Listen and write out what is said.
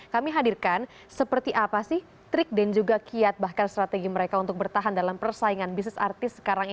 kami hadirkan seperti apa sih trik dan juga kiat bahkan strategi mereka untuk bertahan dalam persaingan bisnis artis sekarang ini